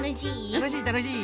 たのしいたのしい！